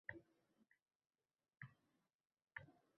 -Siz uchun ochilgan ekan.